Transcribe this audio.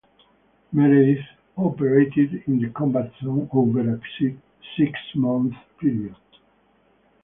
Meredith operated in the combat zone over a six-month period.